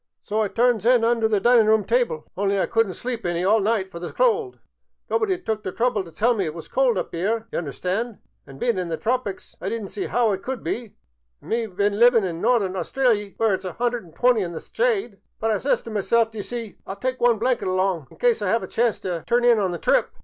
So I turns in under the dinin' room tyble ; only I could n't sleep any all night fer the cold. Nobody 'ad took the trouble t' tell me it was cold up 'ere, d' ye understand, an' bein' in the tropicks I did n't see 'ow it could be — an' me been livin' in North Australy where it 's a 'underd an' twenty in the shyde. But I says t' myself, d 'ye see, I '11 tyke one blanket along in cyse I 'ave a chance t' turn in on the trip.